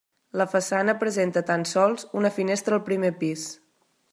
La façana presenta tan sols una finestra al primer pis.